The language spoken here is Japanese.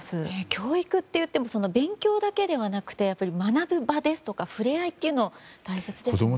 教育っていっても勉強だけではなくて学ぶ場ですとか触れ合いというのは大切ですよね。